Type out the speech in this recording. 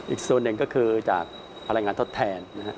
อีกส่วนหนึ่งก็คือจากพลังงานทดแทนนะครับ